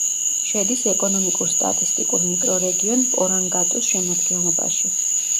შედის ეკონომიკურ-სტატისტიკურ მიკრორეგიონ პორანგატუს შემადგენლობაში.